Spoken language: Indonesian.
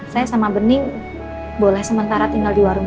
saya sama bening boleh sementara tinggal di warung